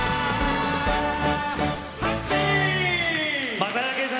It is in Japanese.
松平健さん